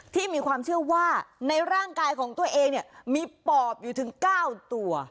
มีความเชื่อว่าในร่างกายของตัวเองเนี่ยมีปอบอยู่ถึง๙ตัว